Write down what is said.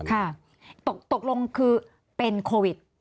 ค่ะตกลงคือเป็นโควิด